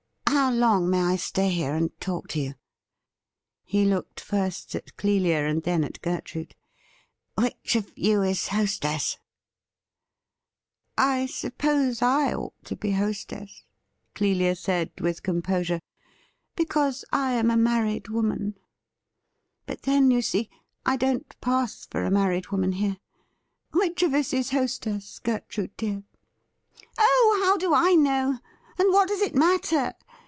How long may I stay here and talk to you ?' He looked first at Clelia and then at Gertrude. ' Which of you is hostess ?' 282 THE HIDDLE UlN^ ' I suppose I ought to be hostess,' Clelia said with com posure, ' because I am a man ied woman. But then, you see, I don't pass for a married woman here. Which of us is hostess, Gertrude dear ?''' Oh, how do I know, and what does it matter